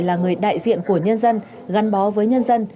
là người đại diện của nhân dân gắn bó với nhân dân